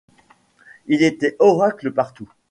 Il était oracle partout.